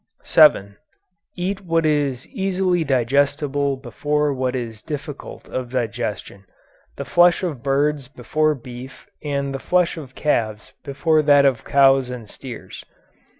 7. Eat what is easily digestible before what is difficult of digestion. The flesh of birds before beef and the flesh of calves before that of cows and steers.